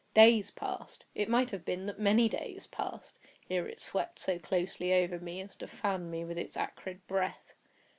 Days passed—it might have been that many days passed—ere it swept so closely over me as to fan me with its acrid breath.